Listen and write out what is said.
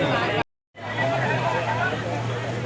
อาหาร